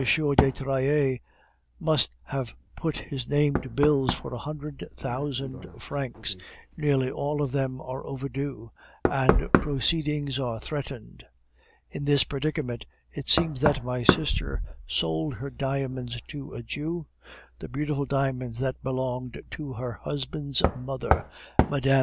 de Trailles must have put his name to bills for a hundred thousand francs, nearly all of them are overdue, and proceedings are threatened. In this predicament, it seems that my sister sold her diamonds to a Jew the beautiful diamonds that belonged to her husband's mother, Mme.